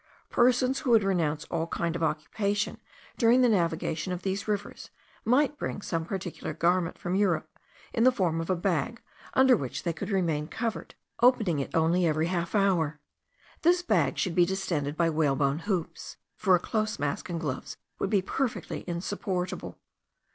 Persons who would renounce all kind of occupation during the navigation of these rivers, might bring some particular garment from Europe in the form of a bag, under which they could remain covered, opening it only every half hour. This bag should be distended by whalebone hoops, for a close mask and gloves would be perfectly insupportable.